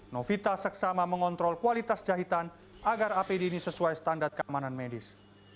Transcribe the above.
novita seksama mengontrol kualitas jahitan agar apd ini sesuai standar keamanan medis